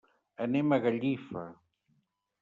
Anem a Gallifa.